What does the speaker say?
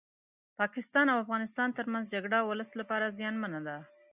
پاکستان او افغانستان ترمنځ جګړه ولس لپاره زيانمنه ده